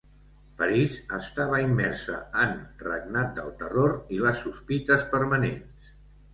París estava immersa en Regnat del Terror i les sospites permanents.